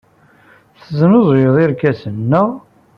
Tesnuzuyeḍ irkasen, naɣ?